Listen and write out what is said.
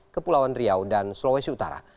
kepulauan riau dan sulawesi utara